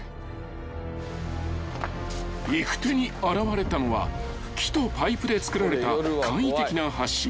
［行く手に現れたのは木とパイプで造られた簡易的な橋］